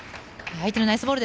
相手のナイスボール。